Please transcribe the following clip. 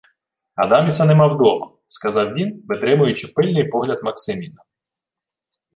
— Адаміса нема вдома, — сказав він, витримуючи пильний погляд Максиміна.